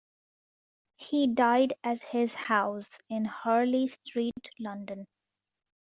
He died at his house in Harley Street, London.